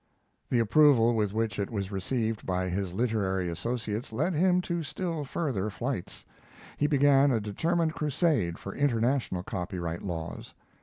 The approval with which it was received by his literary associates led him to still further flights. He began a determined crusade for international copyright laws.